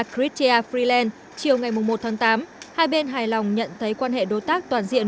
christia freeland chiều ngày một tháng tám hai bên hài lòng nhận thấy quan hệ đối tác toàn diện